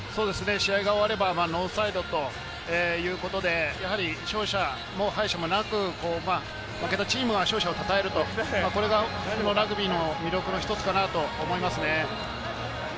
試合が終わればノーサイドということで、勝者も敗者もなく、負けたチームは勝者をたたえるという、これがラグビーの魅力の一つかなと思いますね。